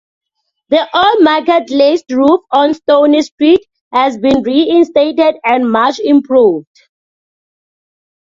The old Market glazed roof on Stoney Street has been re-instated and much improved.